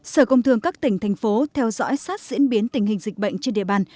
sở công thương các tỉnh thành phố theo dõi sát diễn biến tình hình dịch bệnh trên địa bàn